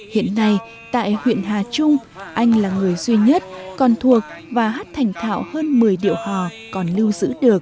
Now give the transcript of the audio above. hiện nay tại huyện hà trung anh là người duy nhất còn thuộc và hát thành thạo hơn một mươi điệu hò còn lưu giữ được